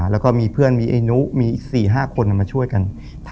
แล้วก็มีเพื่อนอีกนี่มีอีกสี่ห้าคนน่ะมาช่วยกัน